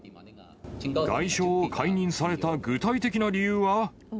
外相を解任された具体的な理由は。